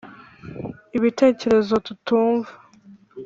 ibitekerezo tutumva,